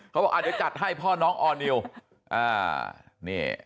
เขาบอกอ่ะเดี๋ยวจัดให้พ่อน้องออร์นิวอ่านี่